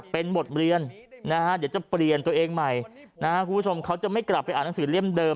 เป็นบทเรียนนะฮะเดี๋ยวจะเปลี่ยนตัวเองใหม่นะฮะคุณผู้ชมเขาจะไม่กลับไปอ่านหนังสือเล่มเดิม